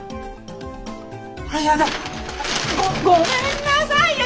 あらやだごめんなさいね！